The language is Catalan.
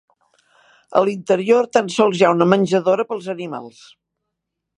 A l'interior tan sols hi ha una menjadora pels animals.